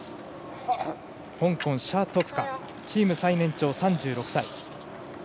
香港、謝徳樺チーム最年長３６歳。